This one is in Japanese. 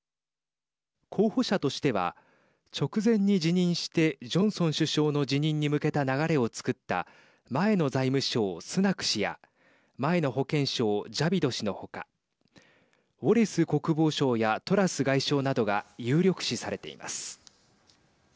候補者としては直前に辞任してジョンソン首相の辞任に向けた流れをつくった前の財務相スナク氏や前の保健相ジャビド氏のほかウォレス国防相やトラス外相などが有力視されています。